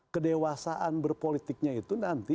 kedewasaan berpolitiknya itu nanti